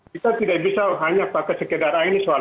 kita tidak bisa hanya pakai sekedar ini soal